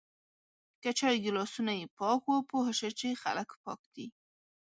که چای ګلاسونه یی پاک و پوهه شه چی خلک پاک دی